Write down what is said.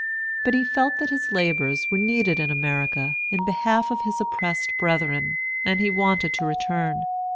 But he felt that his labors were needed in America, in behalf of his oppressed brethren, and he wanted to return.